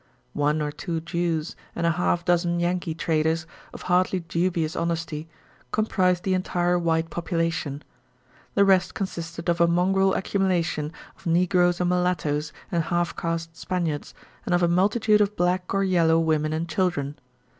One or two Jews and a half dozen Yankee traders, of hardly dubious honesty, comprised the entire white population. The rest consisted of a mongrel accumulation of negroes and mulattoes and half caste Spaniards, and of a multitude of black or yellow women and children.